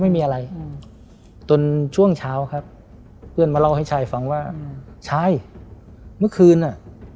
ไม่มีอะไรอืมจนช่วงเช้าครับเพื่อนมาเล่าให้ชายฟังว่าชายเมื่อคืนอ่ะ